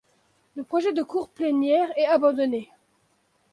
Le projet de cour plénière est abandonné.